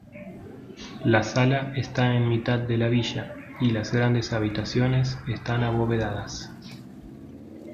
La sala está en mitad de la villa, y las grandes habitaciones están abovedadas.